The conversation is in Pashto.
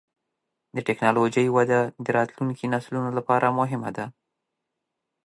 د ټکنالوجۍ وده د راتلونکي نسلونو لپاره مهمه ده.